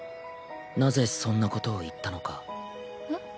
なぜそんなことを言ったのかえっ？